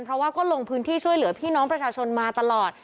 เพราะว่าก็ลงพื้นที่ช่วยเหลือพี่น้องประชาชนมาตลอด